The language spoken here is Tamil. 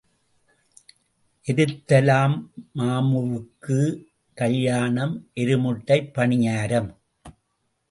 எருதாலம்மாவுக்குக் கல்யாணம் எரு முட்டைப் பணியாரம்.